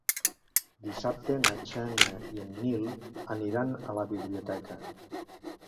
Dissabte na Xènia i en Nil aniran a la biblioteca.